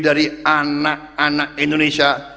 dari anak anak indonesia